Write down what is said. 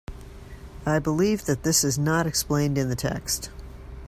I believe that this is not explained in the text.